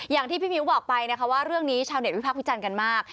อย่างที่พี่มิ้วบอกไปนะคะว่าเรื่องนี้ชาวเต็วิพักษ์วิจารณ์กันมาก